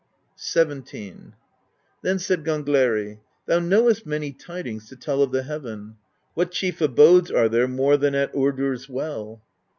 XVII. Then said Gangleri: "Thou knowest many tidings to tell of the heaven. What chief abodes are there more than at Urdr's Well?"